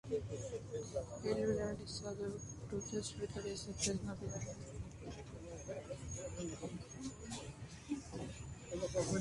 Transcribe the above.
Eloy Moreno ha realizado rutas literarias de sus tres novelas.